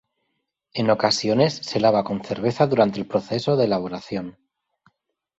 En ocasiones se lava con cerveza durante el proceso de elaboración.